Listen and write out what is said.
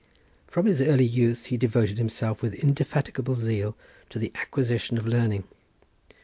From his early youth he devoted himself with indefatigable zeal to the acquisition of learning.